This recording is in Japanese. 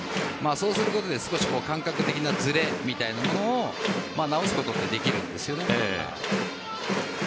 そうすることで少し感覚的なズレみたいなものを直すことはできるんです。